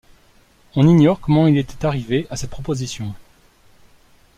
On ignore comment il était arrivé à cette proposition.